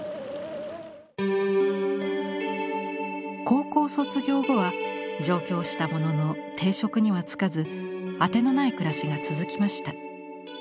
高校を卒業後は上京したものの定職には就かず当てのない暮らしが続きました。